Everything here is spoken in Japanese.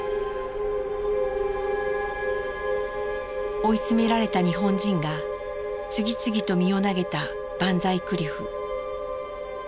追い詰められた日本人が次々と身を投げたバンザイクリフ。